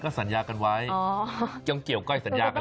ก็สัญญากันไว้อ๋อยังเกี่ยวก้อยสัญญาเลยไหม